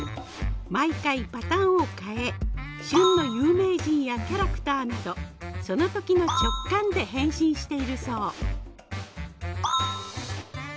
毎回パターンを変え旬の有名人やキャラクターなどその時の直感で変身しているそう。